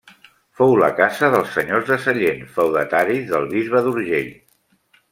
Fou la casa dels Senyors de Sallent, feudataris del bisbe d'Urgell.